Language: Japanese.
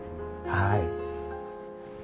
はい。